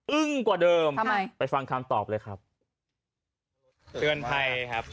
กว่าเดิมทำไมไปฟังคำตอบเลยครับเตือนภัยครับ